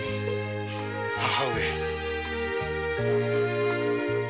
母上。